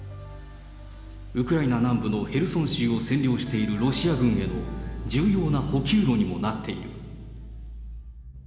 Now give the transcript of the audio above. ウクライナ南部のヘルソン州を占領しているロシア軍への重要な補給路にもなっている。